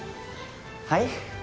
はい？